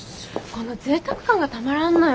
このぜいたく感がたまらんのよ。